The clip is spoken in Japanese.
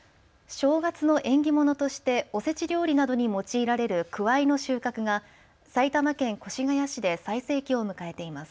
正月の縁起物としておせち料理などに用いられるくわいの収穫が埼玉県越谷市で最盛期を迎えています。